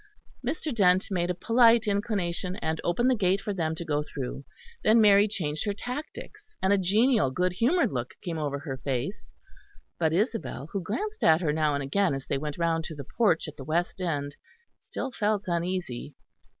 Mr. Dent made a polite inclination, and opened the gate for them to go through. Then Mary changed her tactics; and a genial, good humoured look came over her face; but Isabel, who glanced at her now and again as they went round to the porch at the west end, still felt uneasy.